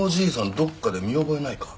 どっかで見覚えないか？